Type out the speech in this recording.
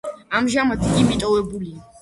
ამჟამად იგი მიტოვებულია.